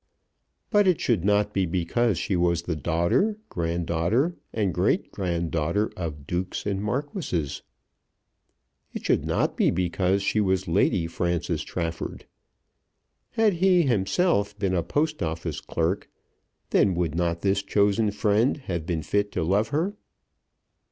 But it should not be because she was the daughter, granddaughter, and great granddaughter of dukes and marquises. It should not be because she was Lady Frances Trafford. Had he himself been a Post Office clerk, then would not this chosen friend have been fit to love her?